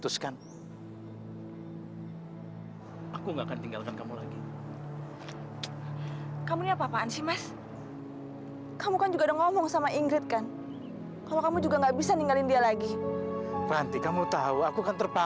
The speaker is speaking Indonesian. sampai jumpa di video selanjutnya